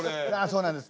そうなんです。